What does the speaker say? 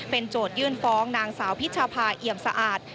โจทยื่นฟ้องนางสาวพิชภาเอี่ยมสะอาด